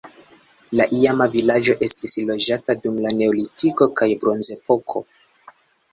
La iama vilaĝo estis loĝata dum la neolitiko kaj bronzepoko.